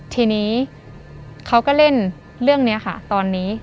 ทีนี้เขาก็เล่นเรื่องนี้ค่ะตอนนี้